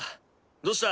どうした？